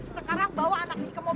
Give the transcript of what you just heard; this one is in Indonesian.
sekarang bawa anak ini ke mobil